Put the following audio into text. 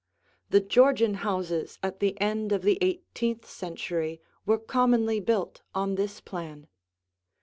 The Georgian houses at the end of the eighteenth century were commonly built on this plan.